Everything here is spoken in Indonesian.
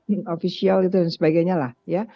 inofficial gitu dan sebagainya lah